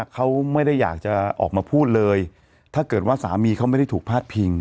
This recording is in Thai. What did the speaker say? เขาไม่ได้อยากจะออกมาพูดเลยถ้าเกิดว่าสามีเขาไม่ได้ถูกพาดพิง